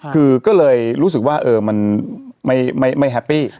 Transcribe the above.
คือก็เลยรู้สึกว่ามันไม่แฮปปี้